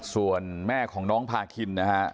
ส่วนแม่ของน้องพาคินนะฮะ